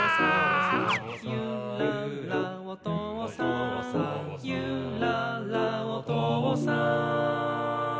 「ゆららおとうさん」「ゆららおとうさん」